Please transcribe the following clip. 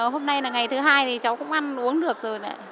hôm nay là ngày thứ hai thì cháu cũng ăn uống được rồi ạ